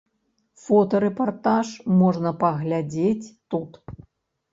Фотарэпартаж можна паглядзець тут.